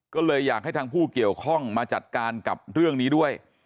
ก็เลยอยากให้ทางผู้เกี่ยวข้องมาจัดการกับเรื่องนี้ด้วย